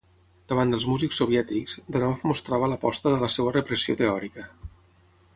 Davant dels músics soviètics, Danov mostrava l'aposta de la seua repressió teòrica.